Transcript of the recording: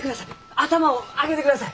頭を上げてください！